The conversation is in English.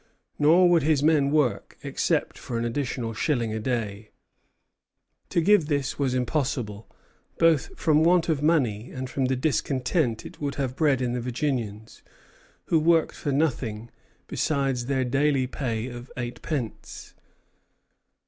Nor would his men work, except for an additional shilling a day. To give this was impossible, both from want of money, and from the discontent it would have bred in the Virginians, who worked for nothing besides their daily pay of eightpence.